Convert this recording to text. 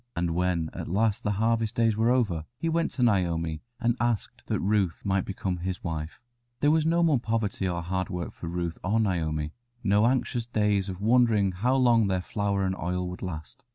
And when at last the harvest days were over, he went to Naomi and asked that Ruth might become his wife. There was no more poverty or hard work now for Ruth or Naomi, no anxious days of wondering how long their flour and oil would last.